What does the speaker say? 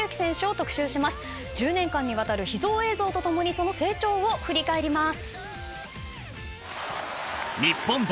１０年間にわたる秘蔵映像と共にその成長を振り返ります。